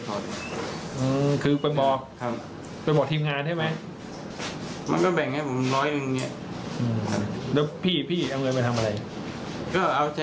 ก็เอาทำให้จ่ายเลยครับขอบคุณว่าข้ำไปให้ลูก